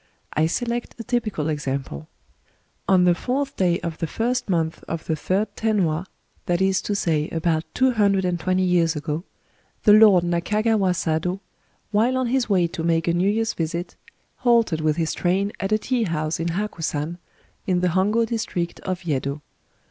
... I select a typical example. ^^ On the fourth day of the first month of the third Tenwa, — that is to say, about two hundred and twenty years ago, — the lord Nakagawa Sado, while on his way to make a New Year's visit, halted with his train at a tea house in Hakusan, in the Hongd district of Yedo.